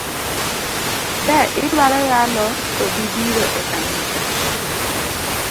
De idwaro yalo to dibiro ekanisa.